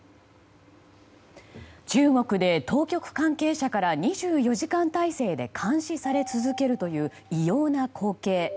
中国で当局関係者から２４時間態勢で監視され続けるという異様な光景。